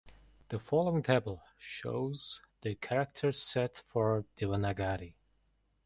The following table shows the character set for Devanagari.